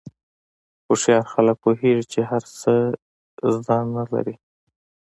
هوښیار خلک پوهېږي چې هر څه زده نه لري.